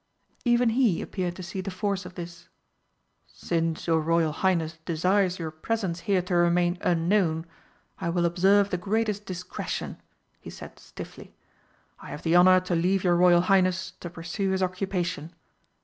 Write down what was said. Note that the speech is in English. Even he appeared to see the force of this. "Since your Royal Highness desires your presence here to remain unknown, I will observe the greatest discretion," he said stiffly; "I have the honour to leave your Royal Highness to pursue his occupation."